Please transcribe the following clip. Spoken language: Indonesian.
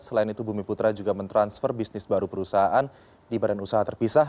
selain itu bumi putra juga mentransfer bisnis baru perusahaan di badan usaha terpisah